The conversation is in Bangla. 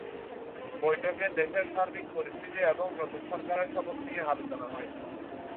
বৈঠকে দেশের সার্বিক পরিস্থিতি এবং নতুন সরকারের শপথ নিয়ে আলোচনা হয়।